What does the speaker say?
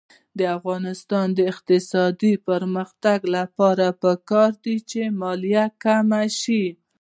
د افغانستان د اقتصادي پرمختګ لپاره پکار ده چې مالیه کمه شي.